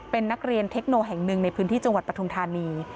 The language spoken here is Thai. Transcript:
เป็นนักเรียนเทคโนแห่งหนึ่งในพื้นที่จังหวัดปทุมธานี